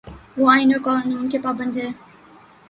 وہ آئین اور قانون کی پابند ہے۔